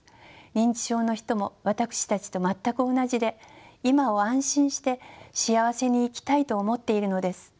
認知症の人も私たちと全く同じで今を安心して幸せに生きたいと思っているのです。